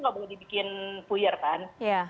tidak boleh dibikin puyar kan